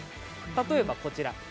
例えば、こちらです。